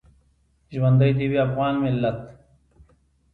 ژوندی دې وي افغان ملت